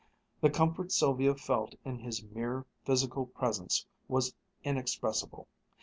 The comfort Sylvia felt in his mere physical presence was inexpressible.